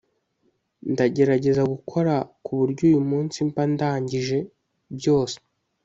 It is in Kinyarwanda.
Ndagerageza gukora kuburyo uyu munsi mba ndangaije byose